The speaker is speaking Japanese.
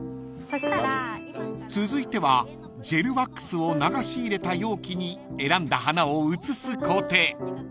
［続いてはジェルワックスを流し入れた容器に選んだ花を移す工程］